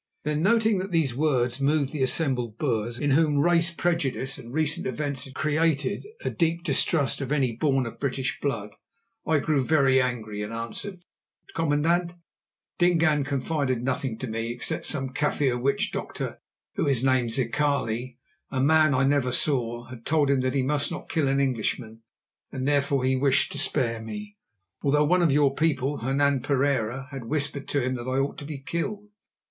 Then noting that these words moved the assembled Boers, in whom race prejudice and recent events had created a deep distrust of any born of British blood, I grew very angry and answered: "Commandant, Dingaan confided nothing to me, except that some Kaffir witch doctor, who is named Zikali, a man I never saw, had told him that he must not kill an Englishman, and therefore he wished to spare me, although one of your people, Hernan Pereira, had whispered to him that I ought to be killed.